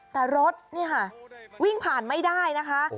แต่รถนี่ค่ะวิ่งผ่านไม่ได้นะคะ